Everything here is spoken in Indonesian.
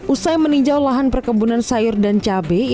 usai meninjau lahan perkebunan sayur dan cabai